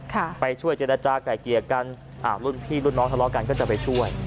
ไปช่วยเจรจาไก่เกลี่ยกันอ่ารุ่นพี่รุ่นน้องทะเลาะกันก็จะไปช่วย